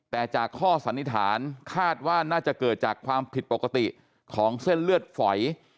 แต่จากข้อสันนิษฐานคาดว่าน่าจะเกิดจากความผิดปกติของเส้นเลือดฝอย